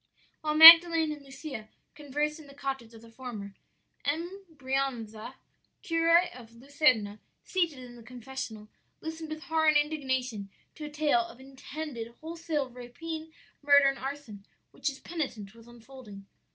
"While Magdalen and Lucia conversed in the cottage of the former, M. Brianza, curé of Luserna, seated in the confessional, listened with horror and indignation to a tale of intended wholesale rapine, murder, and arson, which his penitent was unfolding.